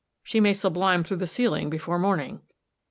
She may sublime through the ceiling before morning."